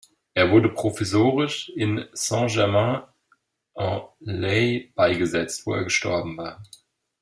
Er wurde provisorisch in Saint-Germain-en-Laye beigesetzt, wo er gestorben war.